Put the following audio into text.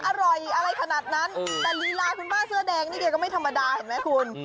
อร่อยอะไรขนาดนั้นแต่ลีลาคุณป้าเสื้อแดงนี่แกก็ไม่ธรรมดาเห็นไหมคุณ